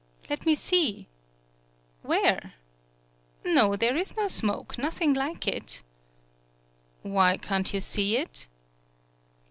"Let me see ! Where no, there is no smoke, nothing like it." "Why, can't you see it?"